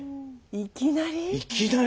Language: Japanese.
いきなり？